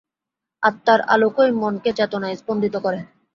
আত্মার আলোকই মনকে চেতনায় স্পন্দিত করে।